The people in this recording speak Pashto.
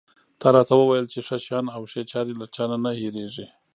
تا راته وویل چې ښه شیان او ښې چارې له چا نه نه هېرېږي.